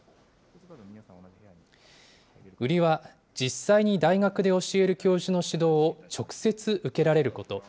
売りは、実際に大学で教える教授の指導を直接受けられること。